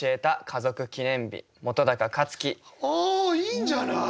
いいんじゃない！？